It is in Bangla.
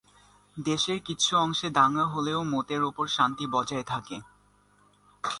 দেশের কিছু অংশে দাঙ্গা হলেও মোটের ওপর শান্তি বজায় থাকে।